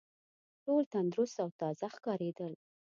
ټول تندرست او تازه ښکارېدل.